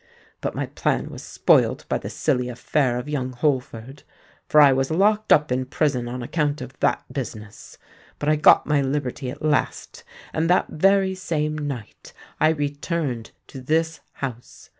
But my plan was spoilt by the silly affair of young Holford; for I was locked up in prison on account of that business. But I got my liberty at last; and that very same night I returned to this house.